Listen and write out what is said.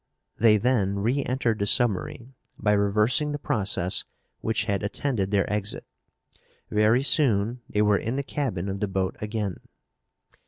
They then reentered the submarine by reversing the process which had attended their exit. Very soon they were in the cabin of the boat again.